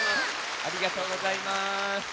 ありがとうございます。